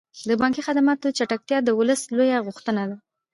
د بانکي خدماتو چټکتیا د ولس لویه غوښتنه ده.